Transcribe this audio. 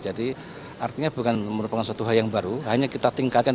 jadi artinya bukan merupakan suatu hal yang baru hanya kita tingkatkan